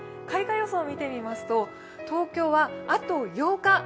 開花予想を見てみますと、東京はあと８日。